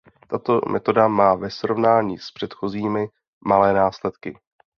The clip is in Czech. Tato metoda má ve srovnání s předchozími malé následky.